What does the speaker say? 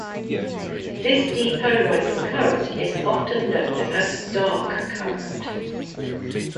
This depolarizing current is often known as dark current.